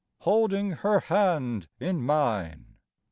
Holding her hand in mine.